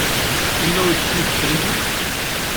Yella uyefki deg ufrigu?